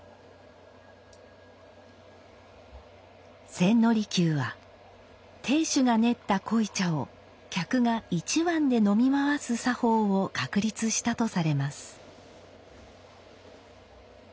千利休は亭主が練った濃茶を客が一碗で飲み回す作法を確立したとされます。